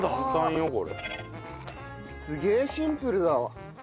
すげえシンプルだわ！